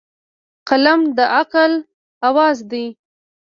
قلم د عقل اواز دی.